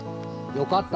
よかった！